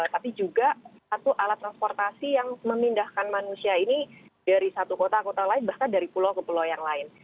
tapi juga satu alat transportasi yang memindahkan manusia ini dari satu kota ke kota lain bahkan dari pulau ke pulau yang lain